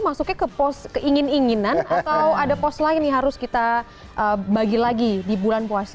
masuknya ke pos keingin inginan atau ada pos lain harus kita bagi lagi ya ya kalau di bulan puasa